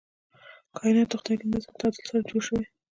کائنات د خدای له منظم تعادل سره جوړ شوي.